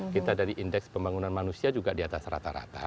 kita dari indeks pembangunan manusia juga di atas rata rata